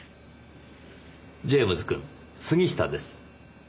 ジェームズくん杉下です。